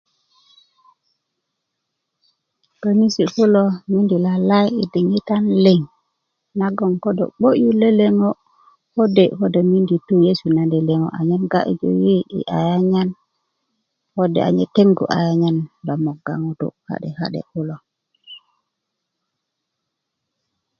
konisi kulo mindi lalai i diŋitan liŋ nagon ko do'bo'yu lele ŋo kode kodo mindi tu nyesu na lele ŋo anyen gaju yi i ayanyen kode manyen tengu ayanyan lo moga ŋutu ka'de ka'de kulo